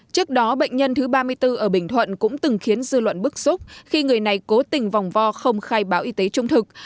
trước đó bệnh nhân thứ ba mươi bốn ở bình thuận cũng từng khiến dư luận bức xúc khi người này cố tình vòng vo không khai báo y tế trung thực